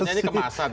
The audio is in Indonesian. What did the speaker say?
maksudnya ini kemasan